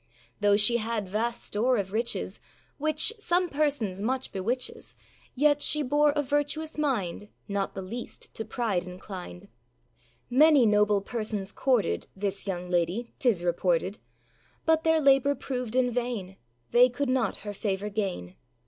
Though she had vast store of riches, Which some persons much bewitches, Yet she bore a virtuous mind, Not the least to pride inclined. Many noble persons courted This young lady, âtis reported; But their labour proved in vain, They could not her favour gain.